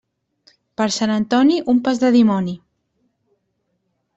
Per Sant Antoni, un pas de dimoni.